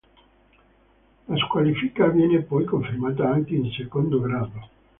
La squalifica viene poi confermata anche in secondo grado.